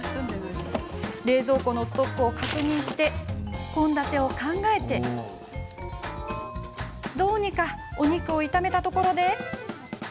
冷蔵庫のストックを確認して献立を考えてどうにかお肉を炒めたところで。